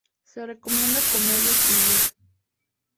Se recomienda comerlos tibios.